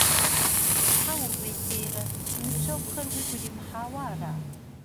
Щхьэ упӀейтейрэ, си ныбжьэгъухэр уигу иримыхьауэ ара?